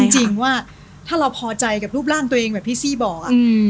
จริงว่าถ้าเราพอใจกับรูปร่างตัวเองแบบพี่ซี่บอก